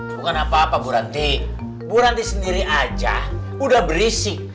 bukan apa apa bu ranti bu ranti sendiri aja udah berisik